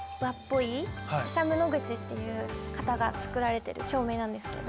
イサム・ノグチっていう方が作られてる照明なんですけど。